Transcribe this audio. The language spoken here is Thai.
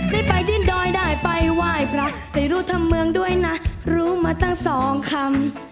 ได้ไปดินดอยได้ไปไหว้พระได้รู้ทำเมืองด้วยนะรู้มาตั้งสองคำ